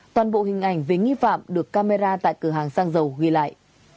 toàn bộ hình ảnh về nghi phạm được camera tại cửa hàng xăng dầu ghi lại